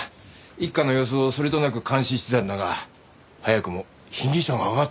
一課の様子をそれとなく監視してたんだが早くも被疑者が挙がったようだ。